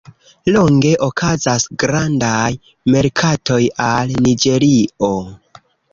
Longe okazas grandaj merkatoj al Niĝerio.